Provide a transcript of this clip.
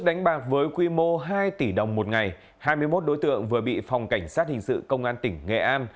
đối quy mô hai tỷ đồng một ngày hai mươi một đối tượng vừa bị phòng cảnh sát hình sự công an tỉnh nghệ an